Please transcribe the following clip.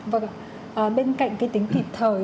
vâng ạ bên cạnh cái tính kịp thời